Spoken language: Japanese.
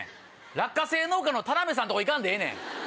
落花生農家の田辺さんとこ行かんでええねん！